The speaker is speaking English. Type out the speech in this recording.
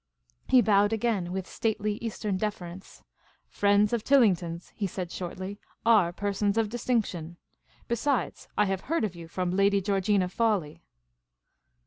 He bowed again, with stately Eastern deference. " Friends of Tillington's," he said, shortly, " are persons of distinction. Besides, I have heard of you from Lady Georgina Fawley."